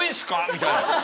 みたいな。